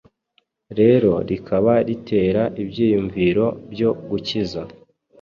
rero rikaba ritera ibyiyumviro byo gukiza